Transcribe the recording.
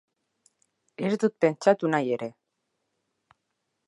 Ez dut pentsatu nahi ere!